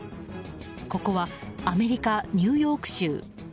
ここはアメリカ・ニューヨーク州。